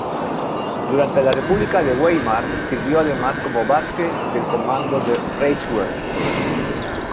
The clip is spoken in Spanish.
Durante la República de Weimar sirvió además como base del Comando del Reichswehr.